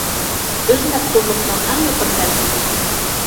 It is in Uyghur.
ئۆز مەپتۇنلۇقنىڭ ئەڭ يۇقىرى پەللىسى.